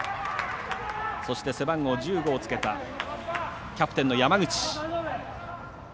そして、背番号１５を着けたキャプテンの山口。